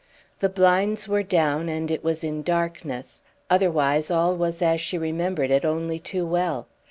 The blinds were down, and it was in darkness, otherwise all was as she remembered it only too well.